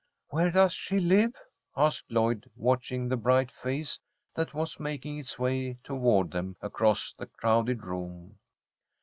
"Where does she live?" asked Lloyd, watching the bright face that was making its way toward them across the crowded room.